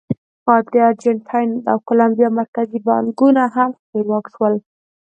د ارجنټاین او کولمبیا مرکزي بانکونه هم خپلواک شول.